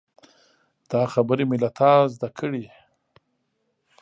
دا خبرې مې له تا زده کړي.